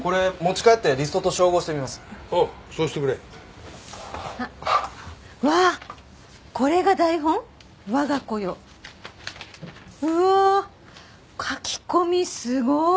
うわあ書き込みすごい。